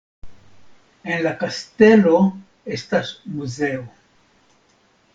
En la kastelo estas muzeo.